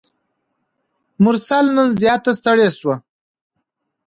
مرسل نن زیاته ستړي شوه.